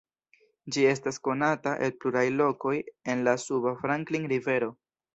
Ĝi estas konata el pluraj lokoj en la suba Franklin Rivero.